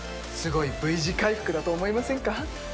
すごいＶ字回復だと思いませんか？